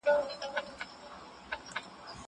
زه پرون ښوونځی ته ځم وم!!